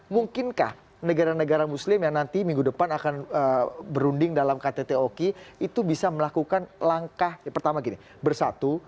mungkinkah negara negara muslim yang nanti minggu depan akan berunding dalam ktt oki itu bisa melakukan langkah pertama gini bersatu